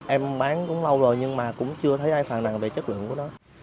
em bán cũng lâu rồi nhưng mà cũng chưa thấy ai phản năng về chất lượng của nó